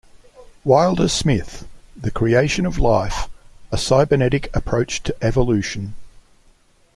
Wilder-Smith, "The Creation of Life: A Cybernetic Approach to Evolution".